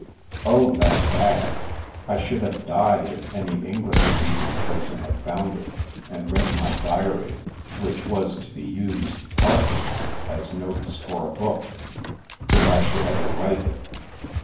Oh, that bag! I should have died if any English speaking person had found it, and read my diary, which was to be used — ^partly — ^as notes for a book — if I should ever write it.